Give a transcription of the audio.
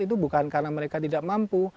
itu bukan karena mereka tidak mampu